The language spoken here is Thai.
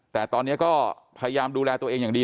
แต่ตอนนี้ก็พยายามดูแลตัวเองอย่างดี